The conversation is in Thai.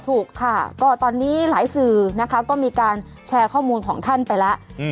ถูกค่ะก็ตอนนี้หลายสื่อนะคะก็มีการแชร์ข้อมูลของท่านไปแล้ว